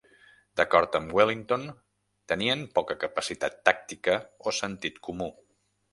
D'acord amb Wellington, tenien poca capacitat tàctica o sentit comú.